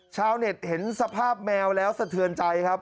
ชาวเน็ตเห็นสภาพแมวแล้วสะเทือนใจครับ